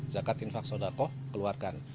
zakat infak sodarkoh keluarkan